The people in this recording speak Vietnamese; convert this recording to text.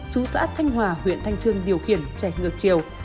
chú xã thanh hòa huyện thanh trương điều khiển chạy ngược chiều